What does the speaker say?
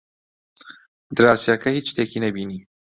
دراوسێکە هیچ شتێکی نەبینی.